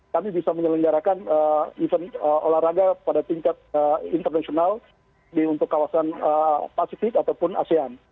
kami bisa menyelenggarakan event olahraga pada tingkat internasional untuk kawasan pasifik ataupun asean